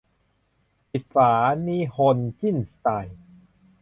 ปิดฝา นิฮนจิ้นสไตล์